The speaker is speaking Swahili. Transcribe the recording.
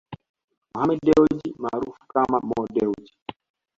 Mohammed Dewji maarufu kama Mo Dewji